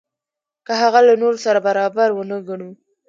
که هغه له نورو سره برابر ونه ګڼو.